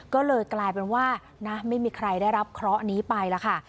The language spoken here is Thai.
ก็เลยกลายเป็นว่านะไม่มีใครได้รับเคราะห์นี้ไปแล้วค่ะ